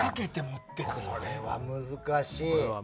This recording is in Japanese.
これは難しい。